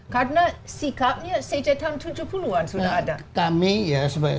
karena sikapnya sejak tahun tujuh puluh an sudah ada